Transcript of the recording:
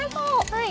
はい。